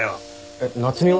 えっ夏海は？